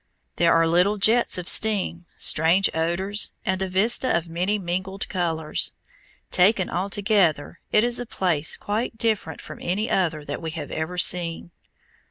There are little jets of steam, strange odors, and a vista of many mingled colors. Taken altogether, it is a place quite different from any other that we have ever seen.